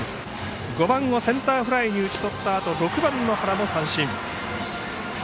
５番をセンターフライに打ち取ったあと６番の原も三振。